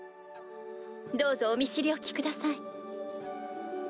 どうぞお見知りおきください。